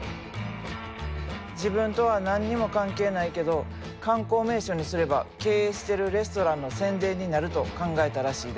自分とは何にも関係ないけど観光名所にすれば経営してるレストランの宣伝になると考えたらしいで。